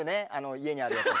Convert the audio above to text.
家にあるやつ。